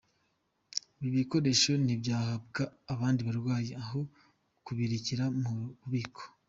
Ibi bikoresho ntibyahabwa abandi barwayi aho kubirekera mu bubiko?.